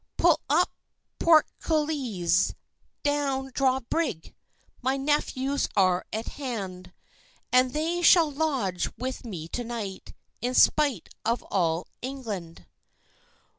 "Pull up portcullize! down draw brig! My nephews are at hand; And they shall lodge with me to night, In spite of all England."